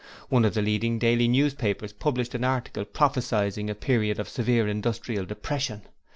One of the leading daily newspapers published an article prophesying a period of severe industrial depression.